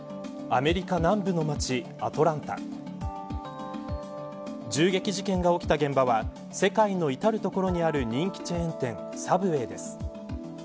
アメリカ南部の街、アトランタ銃撃事件が起きた現場は世界の至る所にある人気チェーン店サブウェイです。